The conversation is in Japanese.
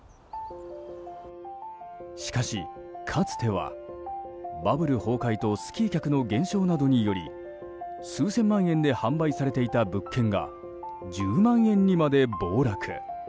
しかしかつてはバブル崩壊とスキー客の減少などにより数千万円で販売されていた物件が１０万円にまで暴落。